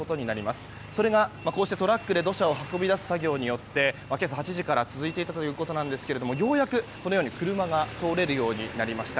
それが、こうしてトラックで土砂を運び出す作業によって今朝８時から続いていたということですがようやく車が通れるようになりました。